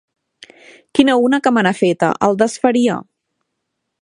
Quina una que me n'ha feta!: el desfaria!